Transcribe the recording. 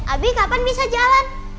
abi kapan bisa jalan